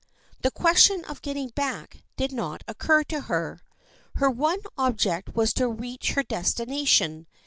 The question of getting back did not occur to her. Her one object was to reach her destination.